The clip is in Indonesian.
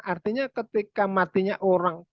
artinya ketika matinya orang